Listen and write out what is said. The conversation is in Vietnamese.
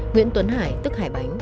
nguyễn tuấn hải tức hải bánh